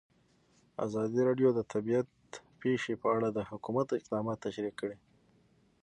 ازادي راډیو د طبیعي پېښې په اړه د حکومت اقدامات تشریح کړي.